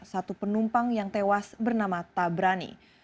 satu penumpang yang tewas bernama tabrani